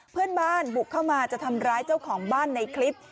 เพื่อนบ้านบุกเข้ามาจะทำร้ายเจ้าของบ้านในคลิป